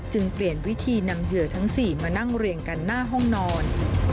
เปลี่ยนวิธีนำเหยื่อทั้ง๔มานั่งเรียงกันหน้าห้องนอน